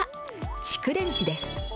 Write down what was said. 蓄電池です。